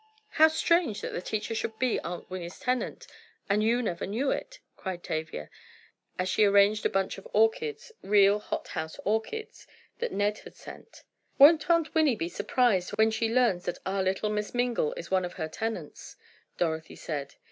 "How strange that the teacher should be Aunt Winnie's tenant, and you never knew it," cried Tavia, as she arranged a bunch of orchids, real hot house orchids, that Ned had sent. "Won't Aunt Winnie be surprised when she learns that our little Miss Mingle is one of her tenants?" Dorothy said.